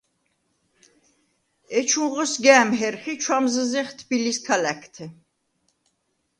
ეჩუნღო სგა̄̈მჰერხ ი ჩუ̂ამზჷზეხ თბილის ქალა̈ქთე.